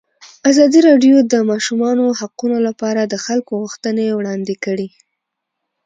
ازادي راډیو د د ماشومانو حقونه لپاره د خلکو غوښتنې وړاندې کړي.